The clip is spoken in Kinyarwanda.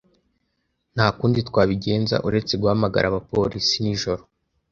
Nta kundi twabigenza uretse guhamagara abapolisi nijoro.